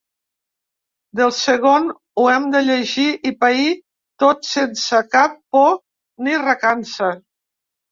Del segon ho hem de llegir i pair tot sense cap por ni recança.